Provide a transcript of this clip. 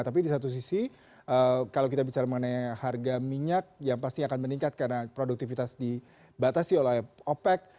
tapi di satu sisi kalau kita bicara mengenai harga minyak yang pasti akan meningkat karena produktivitas dibatasi oleh opec